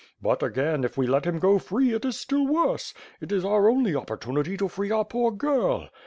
But, again, if we let him go free it is still worse. It is our only opportunity to free our poor girl.